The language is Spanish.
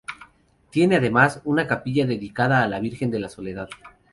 Tiene además, una capilla dedicada a la Virgen de la Soledad.